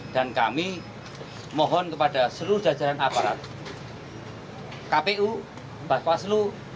dan kami mohon kepada seluruh jajaran aparat kpu pak paslu